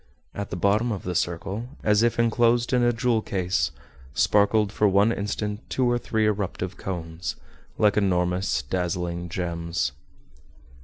At the bottom of the circle, as if enclosed in a jewel case, sparkled for one instant two or three eruptive cones, like enormous dazzling gems.